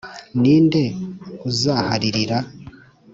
Ni nde uzaharirira?